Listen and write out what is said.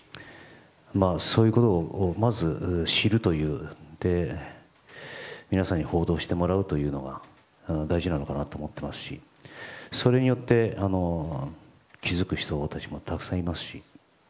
まず、そういうことを知って皆さんに報道してもらうことが大事なのかなと思っていますしそれによって、気づく人たちもたくさんいますし。